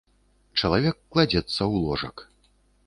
Чалавек кладзецца ў ложак.